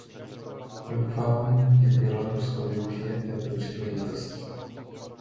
Doufám, že Bělorusko využije této příležitosti.